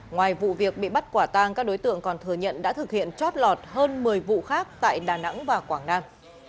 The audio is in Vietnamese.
ngoài vụ việc bị bắt quả tang các đối tượng còn thừa nhận đã thực hiện chót lọt hơn một mươi vụ khác tại đà nẵng và quảng nam